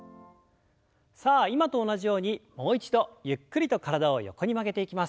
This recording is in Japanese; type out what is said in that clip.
さあ今と同じようにもう一度ゆっくりと体を横に曲げていきます。